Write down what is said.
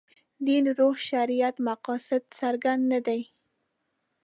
دین روح شریعت مقاصد څرګند نه دي.